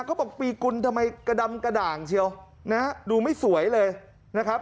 เขาบอกปีกุลทำไมกระดำกระด่างเชียวนะฮะดูไม่สวยเลยนะครับ